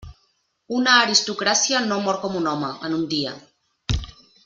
Una aristocràcia no mor com un home, en un dia.